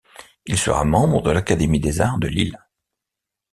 Il sera membre de l'Académie des arts de Lille.